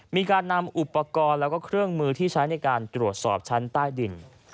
มีการนำอุปกรณ์แล้วก็เครื่องมือที่ใช้ในการตรวจสอบชั้นใต้ดิน